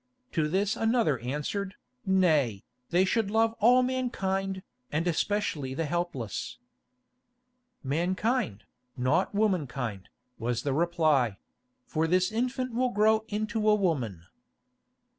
To this another answered, Nay, they should love all mankind, and especially the helpless. "Mankind, not womankind," was the reply; "for this infant will grow into a woman."